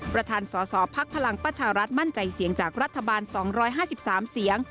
ประธานสสพลังประชารัฐมั่นใจเสียงจากรัฐบาล๒๕๓เสียง